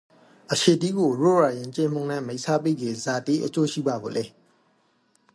အချေတိကိုရိုးရာယဉ်ကျေးမှုနန့်မိတ်ဆက်ပီးကေဇာတိအကျိုး ဟိပါဖို့လဲ?